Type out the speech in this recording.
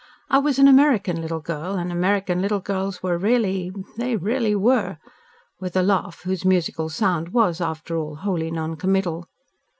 I was an American little girl, and American little girls were really they really were!" with a laugh, whose musical sound was after all wholly non committal.